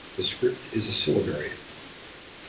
The script is a syllabary.